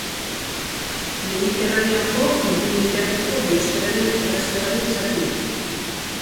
Mediterraneoko Kontinentearteko Biosferaren Erreserbaren zati da.